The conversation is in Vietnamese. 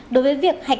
đối với việc hạch